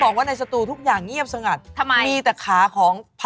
กลับเข้าสู่ช่วงผู้ชายในฝันเบรคสุดท้ายแล้วนะคะ